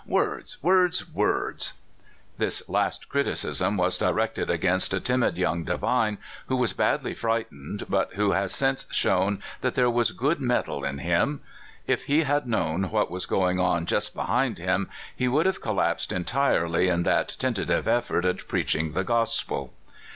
Words, words, words !" This last criticism was directed against a timid young divine, who was badly frightened, but who has since shown that there was good metal in him. If he had known what was going on just behind him, he would have collapsed entirely in that ten tative effort at preaching the gospel.